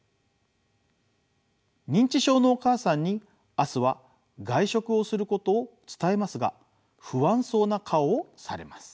認知症のお母さんに明日は外食をすることを伝えますが不安そうな顔をされます。